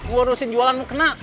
gua urusin jualan mu kena